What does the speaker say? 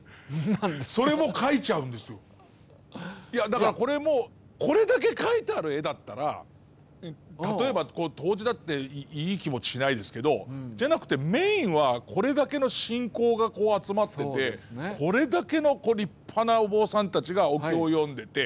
だからこれもこれだけ描いてある絵だったら例えば東寺だっていい気持ちしないですけどじゃなくてメインはこれだけの信仰が集まっててこれだけの立派なお坊さんたちがお経を読んでて。